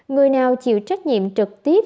người nào chịu trách nhiệm trực tiếp